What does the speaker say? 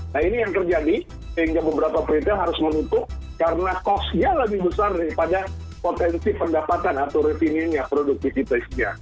nah ini yang terjadi sehingga beberapa retail harus menutup karena costnya lebih besar daripada potensi pendapatan atau revinenya produk kita